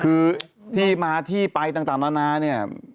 คือที่มาที่ไปต่างนานาเนี่ย